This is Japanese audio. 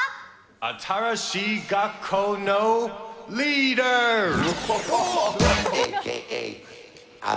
新しい学校のリーダーズ！